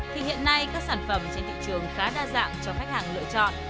thì hiện nay các sản phẩm trên thị trường khá đa dạng cho khách hàng lựa chọn